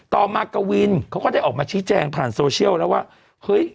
มากวินเขาก็ได้ออกมาชี้แจงผ่านโซเชียลแล้วว่าเฮ้ย